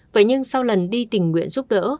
vậy nhưng sau lần đi tình nguyện giúp đỡ